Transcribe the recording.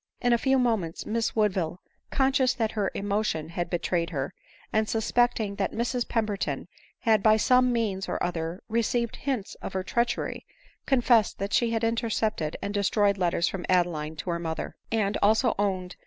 In a few moments Miss Woodville, conscious that her emotion had betrayed her, and suspecting that Mrs Pem berton had by some means or other received hints of her treachery, confessed that she had intercepted and destroy ed letters from Adeline to her mother ; and also owned, ADELINE MOWBRAY.